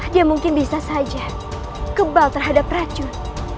dia mungkin bisa saja kebal terhadap racun